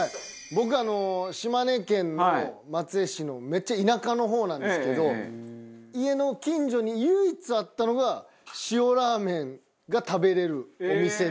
僕島根県の松江市のめっちゃ田舎の方なんですけど家の近所に唯一あったのが塩ラーメンが食べられるお店で。